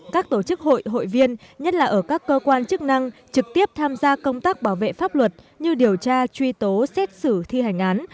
các tổ chức hội hội viên nhất là ở các cơ quan chức năng trực tiếp tham gia công tác bảo vệ pháp luật như điều tra truy tố xét xử thi hành án